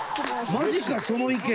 マジかその意見！